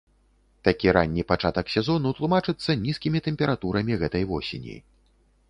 Такі ранні пачатак сезону тлумачыцца нізкімі тэмпературамі гэтай восені.